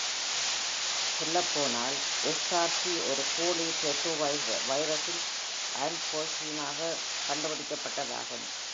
சொல்லப்போனால் எஸ்.ஆர்.சி ஒரு கோழி ரெட்ரோவைரஸில் ஆன்கோஜீனாகக் கண்டுபிடிக்கப்பட்டதாகும்.